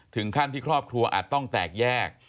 ถึงขั้นที่ครอบครัวอาจต้องแตกแยก